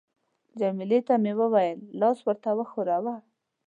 جميله ته مې وویل: لاس ورته وښوروه.